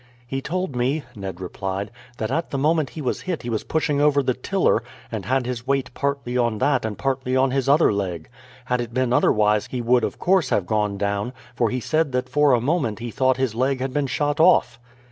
"He told me," Ned replied, "that at the moment he was hit he was pushing over the tiller, and had his weight partly on that and partly on his other leg. Had it been otherwise he would of course have gone down, for he said that for a moment he thought his leg had been shot off."